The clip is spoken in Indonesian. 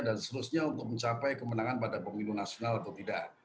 dan seterusnya untuk mencapai kemenangan pada pemilu nasional atau tidak